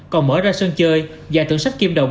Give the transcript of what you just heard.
còn mở ra sân chơi giải thưởng sách kim đồng